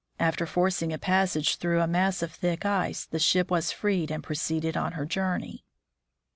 After forcing a passage through a mass of thick ice, the ship was freed and proceeded on her journey.